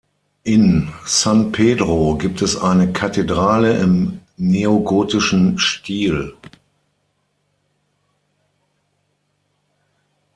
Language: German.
In San Pedro gibt es eine Kathedrale im neogotischen Stil.